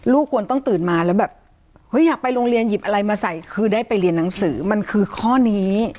ควรต้องตื่นมาแล้วแบบเฮ้ยอยากไปโรงเรียนหยิบอะไรมาใส่คือได้ไปเรียนหนังสือมันคือข้อนี้